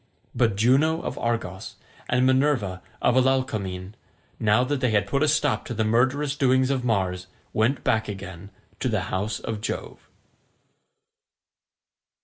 But Juno of Argos and Minerva of Alalcomene, now that they had put a stop to the murderous doings of Mars, went back again to the house of Jove.